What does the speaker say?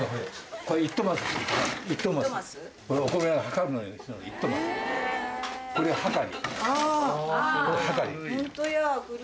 これもはかり。